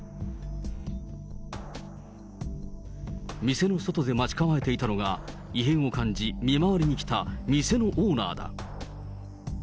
店の外で待ち構えていたのが、異変を感じ、見回りに来た店のオーナーだ。